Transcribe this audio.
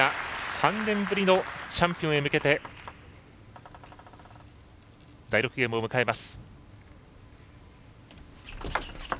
３年ぶりのチャンピオンへ向けて第６ゲームを迎えます。